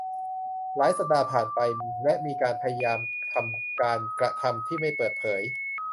หลายสัปดาห์ผ่านไป และมีการพยายามทำการกระทำที่ไม่เปิดเผย